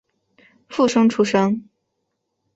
附生出身。